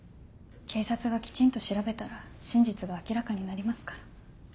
警察がきちんと調べたら真実が明らかになりますから。